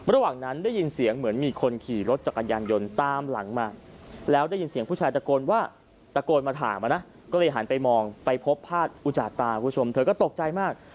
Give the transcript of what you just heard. ระหว่างนั้นได้ยินเสียงเหมือนมีคนขี่รถจักรยานยนต์ตามหลังมาแล้วได้ยินเสียงผู้ชายตะโกนว่าตะโกนมาถามนะก็เลยหันไปมองไปพบพาดอุจจาตาคุณผู้ชมเธอก็ตกใจมาก